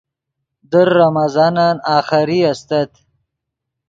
در رمضانن آخری استت